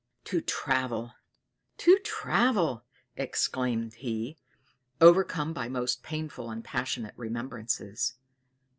"To travel! to travel!" exclaimed he, overcome by most painful and passionate remembrances.